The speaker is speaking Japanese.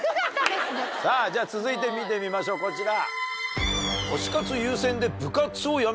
さぁじゃ続いて見てみましょうこちら。